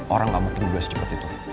orang kamu tuh udah secepet itu